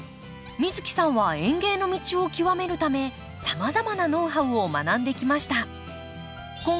美月さんは園芸の道を極めるためさまざまなノウハウを学んできました。